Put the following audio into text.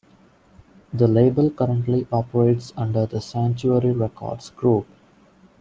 The label currently operates under the Sanctuary Records Group.